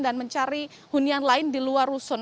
dan mencari hunian lain di luar rusun